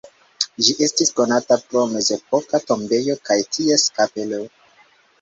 Ĝi estis konata pro mezepoka tombejo kaj ties kapelo.